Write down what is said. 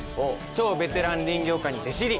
超ベテラン林業家に弟子入り